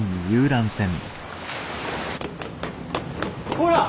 ほら！